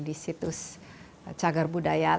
di situs cagar budaya